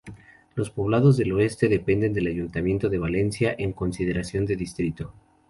Los Poblados del Oeste dependen del ayuntamiento de Valencia en consideración de distrito.